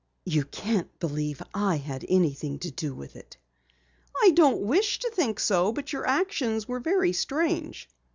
"You can't believe I had anything to do with it!" "I don't wish to think so, but your actions were very strange."